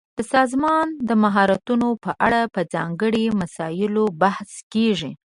د سازمان د مهارتونو په اړه په ځانګړي مسایلو بحث کیږي.